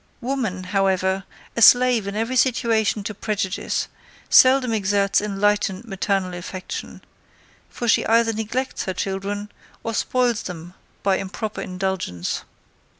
Woman, however, a slave in every situation to prejudice seldom exerts enlightened maternal affection; for she either neglects her children, or spoils them by improper indulgence.